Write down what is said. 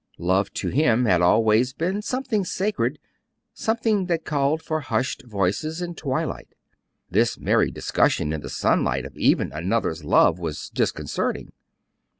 Love to him had always been something sacred; something that called for hushed voices and twilight. This merry discussion in the sunlight of even another's love was disconcerting.